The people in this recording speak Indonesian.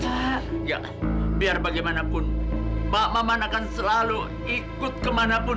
pak maman jangan pak ya biar bagaimanapun pak maman akan selalu ikut kemanapun